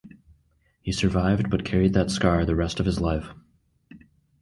He survived, but carried that scar the rest of his life.